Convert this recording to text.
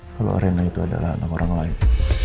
kalau rena itu adalah anak orang lain